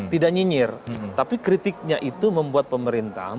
tidak nyinyir tapi kritiknya itu membuat pemerintah